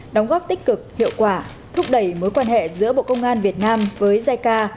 đóng góp tích cực hiệu quả thúc đẩy mối quan hệ giữa bộ công an việt nam với jica